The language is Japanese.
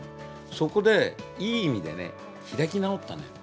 そこで、いい意味でね、開き直ったのよ。